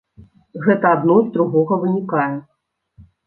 Гэта адно з другога вынікае.